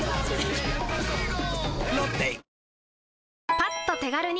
パッと手軽に！